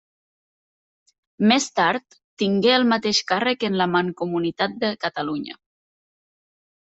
Més tard tingué el mateix càrrec en la Mancomunitat de Catalunya.